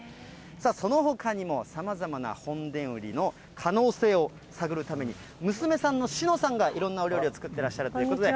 そのほかにも、さまざまな本田ウリの可能性を探るために、娘さんのしのさんが、いろんなお料理を作っていらっしゃるということで。